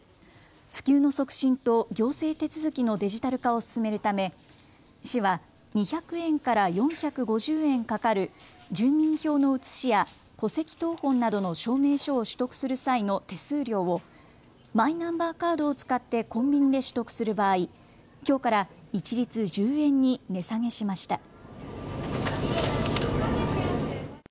普及の促進と行政手続きのデジタル化を進めるため市は２００円から４５０円かかる住民票の写しや戸籍謄本などの証明書を取得する際の手数料をマイナンバーカードを使ってコンビニで取得する場合、きょうから一律１０円に値下げしました。